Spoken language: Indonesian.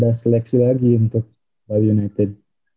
ada seleksi lagi untuk bali united